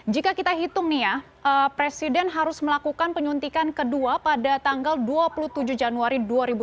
jika kita hitung nih ya presiden harus melakukan penyuntikan kedua pada tanggal dua puluh tujuh januari dua ribu dua puluh